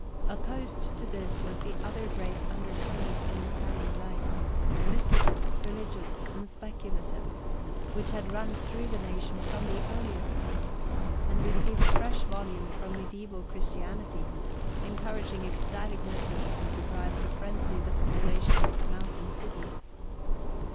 Opposed to this was the other great undercurrent in Italian life, mystical, religious and speculative, which had run through the nation from the earliest times, and received fresh volume from mediaeval Christianity, encouraging ecstatic mysticism to drive to frenzy the population of its mountain cities.